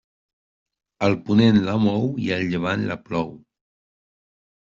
El ponent la mou i el llevant la plou.